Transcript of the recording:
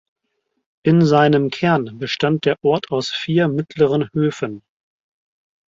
In seinem Kern bestand der Ort aus vier mittleren Höfen.